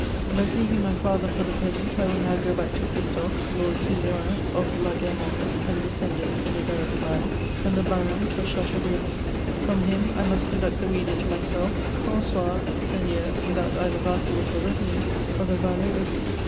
But, leaving my father for the present, I will now go back to Christophe, Lord Suzerain of la Gu^rande, and descendant, in a direct line, from the Barons of Chateaubriand; from him I must conduct the reader to myself, Francois, Seig neur (without either vassals or revenue), of the Yall^e aux Loups.